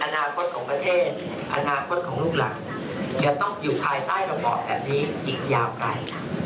อนาคตของประเทศอนาคตของลูกหลานจะต้องอยู่ภายใต้ระบอบแบบนี้อีกยาวไกล